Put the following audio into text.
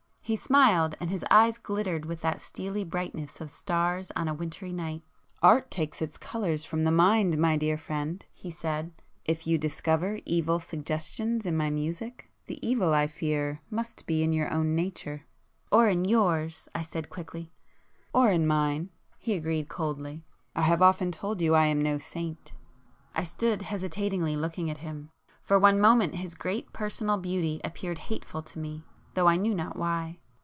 He smiled, and his eyes glittered with the steely brightness of stars on a wintry night. [p 154]"Art takes its colours from the mind, my dear friend;"—he said—"If you discover evil suggestions in my music, the evil, I fear, must be in your own nature." "Or in yours!" I said quickly. "Or in mine;"—he agreed coldly—"I have often told you I am no saint." I stood hesitatingly, looking at him. For one moment his great personal beauty appeared hateful to me, though I knew not why.